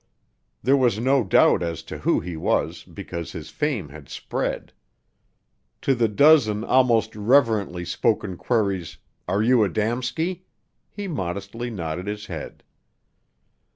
There was no doubt as to who he was because his fame had spread. To the dozen almost reverently spoken queries, "Are you Adamski?" he modestly nodded his head.